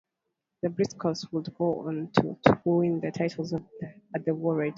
The Briscoes would go on to win the titles at War Ready.